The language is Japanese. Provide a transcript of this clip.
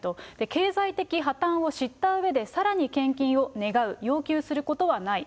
経済的破綻を知ったうえで、さらに献金を願う、要求することはない。